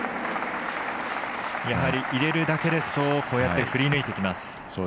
やはり入れるだけですとこうやって振り抜いてきます。